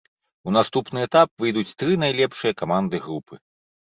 У наступны этап выйдуць тры найлепшыя каманды групы.